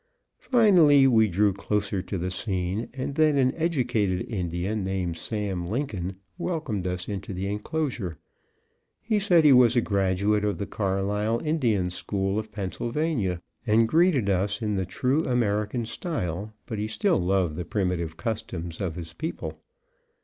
Finally we drew closer to the scene, and then an educated Indian, named Sam Lincoln, welcomed us into the enclosure. He said he was a graduate of the Carlisle Indian School of Pennsylvania, and greeted us in the true American style, but he still loved the primitive customs of his people.